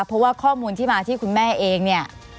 เพราะว่าข้อมูลที่มาที่คุณแม่เองเนี่ย